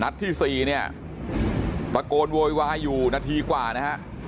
ที่๔เนี่ยตะโกนโวยวายอยู่นาทีกว่านะฮะ